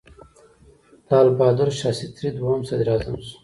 لال بهادر شاستري دویم صدراعظم شو.